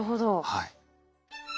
はい。